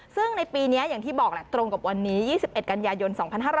ซึ่งในปีนี้อย่างที่บอกแหละตรงกับวันนี้๒๑กันยายน๒๕๕๙